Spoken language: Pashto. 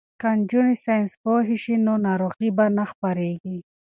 که نجونې ساینس پوهې شي نو ناروغۍ به نه خپریږي.